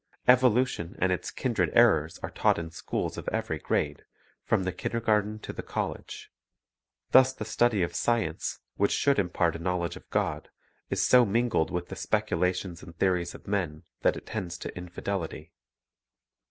Evolution and its kindred errors are taught in schools of every grade, from the kindergarten to the college. Thus the study of science, which should impart a knowledge of God, is so mingled with the speculations and theories of men that it tends to infidelity.